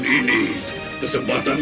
tak ada kesempatan